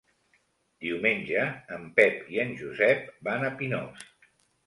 Diumenge en Pep i en Josep van a Pinós.